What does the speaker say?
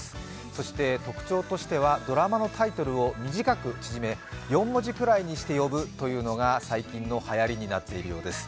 そして、特徴としてはドラマのタイトルを短く縮め、４文字くらいにして呼ぶのが最近のはやりになっているようです。